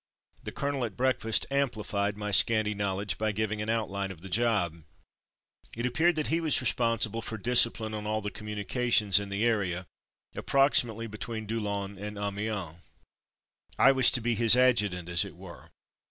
The colonel at breakfast amplified my scanty knowledge by giving an outline of the job. It appeared that he was responsible for discipline on all the communications in the area, approximately between Doullens and Amiens. I was to be his adjutant as it were.